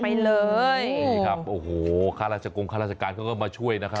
ไปเลยครับโอ้โหค่าราชกรงค์ค่าราชการก็มาช่วยนะครับ